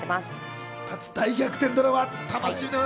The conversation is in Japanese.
一発大逆転ドラマ、楽しみです。